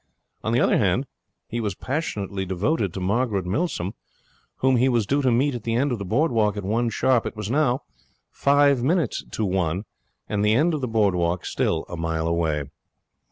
On the other hand, he was passionately devoted to Margaret Milsom, whom he was due to meet at the end of the board walk at one sharp. It was now five minutes to one, and the end of the board walk still a mile away.